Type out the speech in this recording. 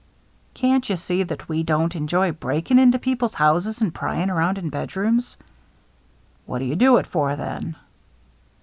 " Can't you see that we don't enjoy break ing into people's houses and prying around in bedrooms ?"" What do you do it for then